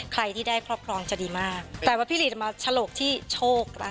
ใครที่ได้ครอบครองจะดีมากแต่ว่าพี่หลีดมาฉลกที่โชครัก